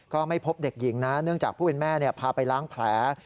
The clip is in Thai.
ก็ไม่พบเด็กหญิงนะเนื่องจากผู้เป็นแม่พาไปล้างแผล